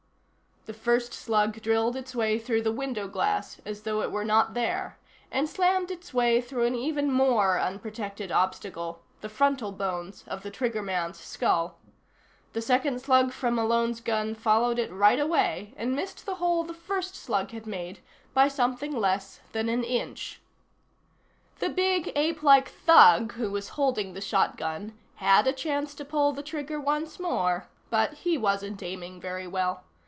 The first slug drilled its way through the window glass as though it were not there, and slammed its way through an even more unprotected obstacle, the frontal bones of the triggerman's skull. The second slug from Malone's gun followed it right away, and missed the hole the first slug had made by something less than an inch. The big, apelike thug who was holding the shotgun had a chance to pull the trigger once more, but he wasn't aiming very well.